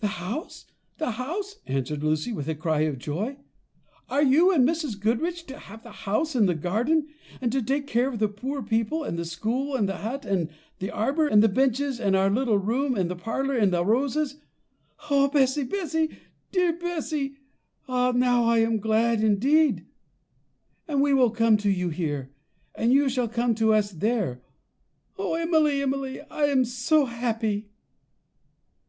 "The house, the house?" answered Lucy, with a cry of joy; "are you and Mrs. Goodriche to have the house and the garden; and to take care of the poor people, and the school, and the hut, and the arbour, and the benches, and our little room, and the parlour, and the roses? Oh, Bessy, Bessy, dear Bessy, now am I glad indeed! and we will come to you here, and you shall come to us there. Oh, Emily, Emily, I am so happy!"